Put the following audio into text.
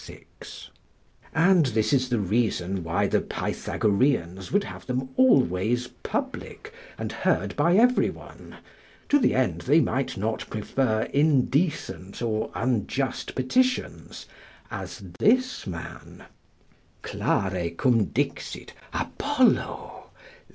6.] and this is the reason why the Pythagoreans would have them always public and heard by every one, to the end they might not prefer indecent or unjust petitions as this man: "Clare quum dixit, Apollo!